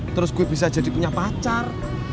terus gue bisa jadi punya pacar